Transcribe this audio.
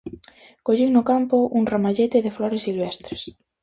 Collín no campo un ramallete de flores silvestres.